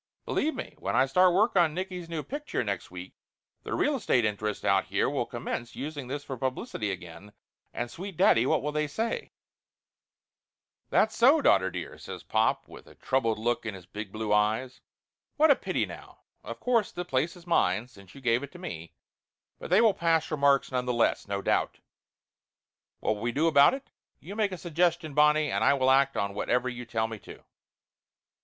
Believe me, when I start work on Nicky's new picture next week the real estate interests out here will commence using this for publicity again, and, sweet daddy, what will they say ?" "That's so, daughter dear," says pop with a troubled look in his big blue eyes. "What a pity, now! Of course the place is mine, since you gave it to me, but they will pass remarks, none the less, no doubt. What will we do about it ? You make a suggestion, Bonnie, and I will act on whatever you tell me to."